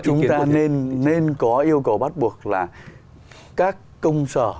thưa ông chúng ta nên có yêu cầu bắt buộc là các công sở